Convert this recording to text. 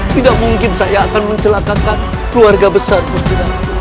tidak mungkin saya akan mencelakakan keluarga besar gusti ratu